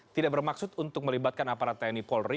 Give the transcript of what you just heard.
tidak bermaksud untuk melibatkan aparat tni polri